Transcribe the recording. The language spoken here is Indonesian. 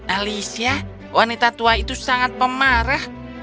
alicia wanita tua itu sangat pemarah